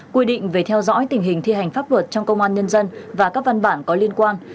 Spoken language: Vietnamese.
quy định về theo dõi tình hình thi hành pháp luật trong công an nhân dân và các văn bản có liên quan